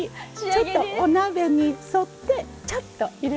ちょっとお鍋に沿ってちょっと入れるのが。